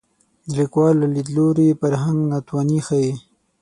د لیکوال له لید لوري فرهنګ ناتواني ښيي